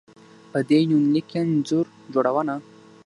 په دې يونليک کې انځور جوړونه